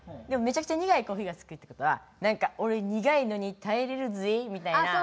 でもめちゃくちゃ苦いコーヒーが好きってことはなんか「オレ苦いのにたえれるぜ」みたいな。